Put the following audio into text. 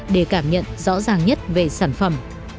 để cảm nhận rõ ràng nhất về sản phẩm